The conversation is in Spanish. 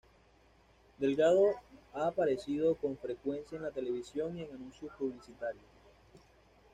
Delgado ha aparecido con frecuencia en la televisión y en anuncios publicitarios.